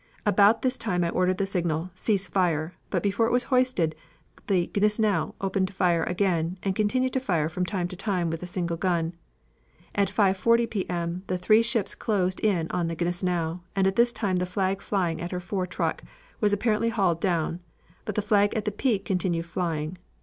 About this time I ordered the signal 'Cease fire,' but before it was hoisted, the Gneisenau opened fire again, and continued to fire from time to time with a single gun. At 5.40 P. M. the three ships closed in on the Gneisenau, and at this time the flag flying at her fore truck, was apparently hauled down, but the flag at the peak continued flying.